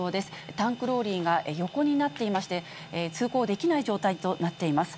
タンクローリーが横になっていまして、通行できない状態となっています。